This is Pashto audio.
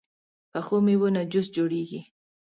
پخو میوو نه جوس جوړېږي